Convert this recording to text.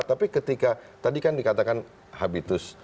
tapi ketika tadi kan dikatakan habitus